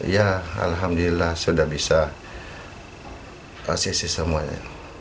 ya alhamdulillah sudah bisa kasih semuanya